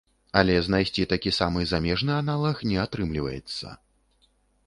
Але знайсці такі самы замежны аналаг не атрымліваецца.